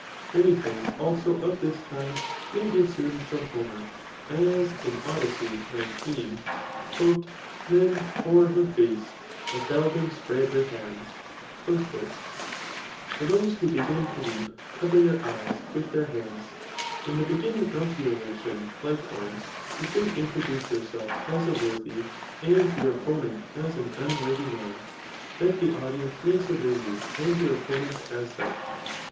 ' Many things also of this kind may be assumed from, Homer; as [in Odyss. 19»3 Then o'er her face the beldam spread her hands* For those who begin to weep, cover their eyes with their hands. In the beginning of the oration, likewise, you should introduce yourself as a worthy, [and your oppo nent as an unworthy] man, that the audience may survey you and your opponent as such.